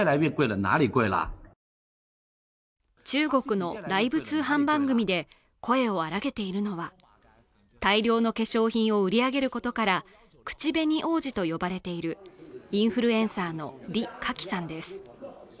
中国のライブ通販番組で声を荒らげているのは大量の化粧品を売り上げることから口紅王子と呼ばれているインフルエンサーの李佳キさんです